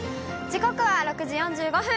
時刻は６時４５分。